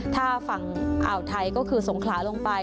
ถ้าฝั่งอ่าวไทยก็คือสงขลาลงไป